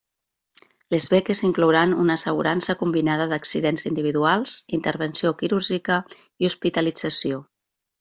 Les beques inclouran una assegurança combinada d'accidents individuals, intervenció quirúrgica i hospitalització.